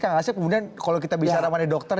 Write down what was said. kalau kita bisa ramai dokter